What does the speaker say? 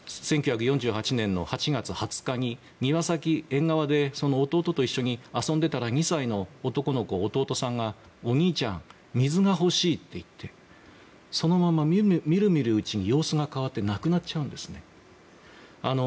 １９４８年の８月２０日庭先、縁側で弟と一緒に遊んでいたら２歳の男の子、弟さんがお兄ちゃん、水が欲しいと言ってそのまま見る見るうちに様子が変わって亡くなっちゃうんですね。